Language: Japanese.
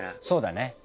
そうだね。